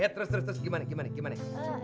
ya terus terus gimana gimana gimana